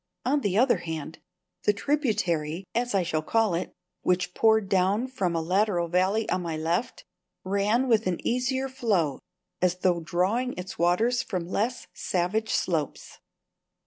On the other hand, the tributary (as I shall call it), which poured down from a lateral valley on my left, ran with an easier flow, as though drawing its waters from less savage slopes.